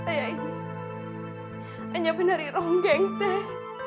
saya ini hanya penari ronggeng teh